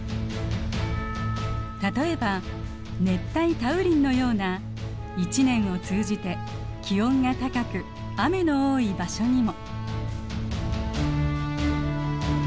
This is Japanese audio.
例えば熱帯多雨林のような一年を通じて気温が高く雨の多い場所にも。